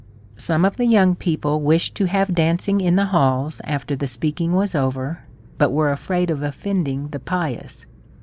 Some of the young people wished to have dancing in the halls after the speaking was over, but were afraid of offending the pious.